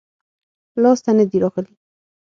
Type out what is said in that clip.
لاس ته نه دي راغلي-